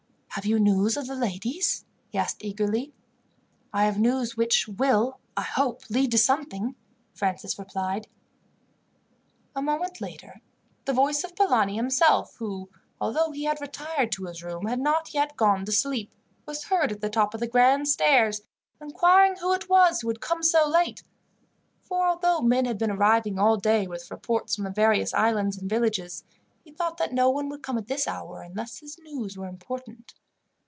"Have you news of the ladies?" he asked eagerly. "I have news which will, I hope, lead to something," Francis replied. A moment later the voice of Polani himself, who, although he had retired to his room, had not yet gone to sleep, was heard at the top of the grand stairs, inquiring who it was who had come so late; for although men had been arriving all day, with reports from the various islands and villages, he thought that no one would come at this hour unless his news were important.